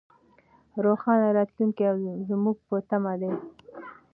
روښانه راتلونکی زموږ په تمه دی.